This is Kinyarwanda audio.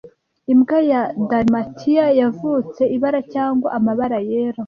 Imbwa ya Dalmatiya yavutse ibara cyangwa amabara Yera